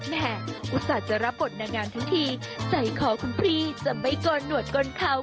แม่อุตส่าห์จะรับประวัติหน้างานทั้งทีใจคอคนพีย์จะไม่โกนหน่วดกลเขา